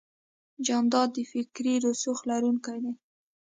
جانداد د فکري رسوخ لرونکی دی.